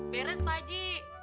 beres pak haji